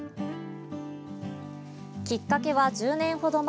きっかけは１０年ほど前。